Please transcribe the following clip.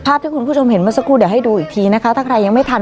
ที่คุณผู้ชมเห็นเมื่อสักครู่เดี๋ยวให้ดูอีกทีนะคะถ้าใครยังไม่ทัน